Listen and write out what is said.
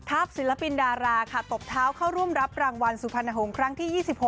ศิลปินดาราค่ะตบเท้าเข้าร่วมรับรางวัลสุพรรณหงษ์ครั้งที่๒๖